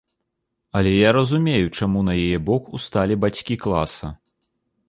Але я разумею, чаму на яе бок усталі бацькі класа.